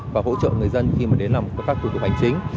và hỗ trợ người dân khi đến làm các tổ chức hành chính